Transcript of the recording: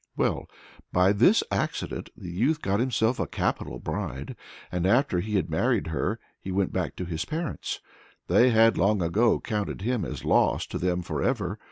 Well, by this accident the youth got himself a capital bride. And after he had married her he went back to his parents. They had long ago counted him as lost to them for ever.